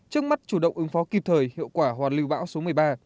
trước mắt chủ động ứng phó kịp thời hiệu quả hoàn lưu bão số một mươi ba